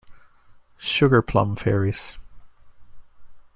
Sugar Plum Fairies.